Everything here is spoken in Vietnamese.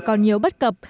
còn nhiều bất cập